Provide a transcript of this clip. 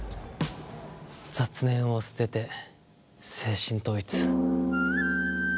雑念を捨てて精神統一。